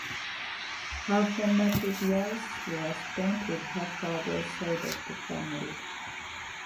Her formative years were spent with her father's side of the family.